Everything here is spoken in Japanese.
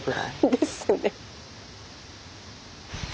ですね。